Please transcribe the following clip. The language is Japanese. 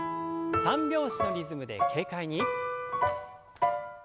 三拍子のリズムで軽快に。